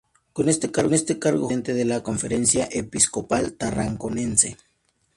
Con este cargo fue presidente de la Conferencia Episcopal Tarraconense.